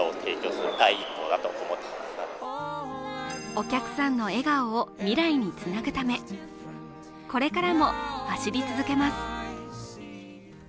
お客さんの笑顔を未来につなぐため、これからも走り続けます。